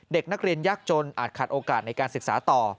เด็กนักเรียนยากจนอาจขาดโอกาสในการศึกษาต่อ